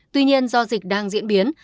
tuy nhiên do dịch đang diễn biến